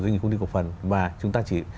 doanh nghiệp công ty cổ phản và chúng ta chỉ